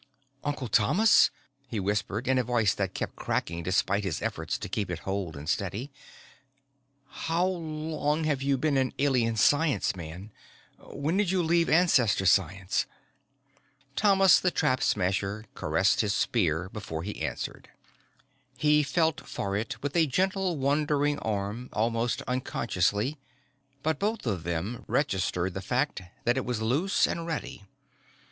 "Uncle Thomas," he whispered, in a voice that kept cracking despite his efforts to keep it whole and steady, "how long have you been an Alien Science man? When did you leave Ancestor Science?" Thomas the Trap Smasher caressed his spear before he answered. He felt for it with a gentle, wandering arm, almost unconsciously, but both of them registered the fact that it was loose and ready.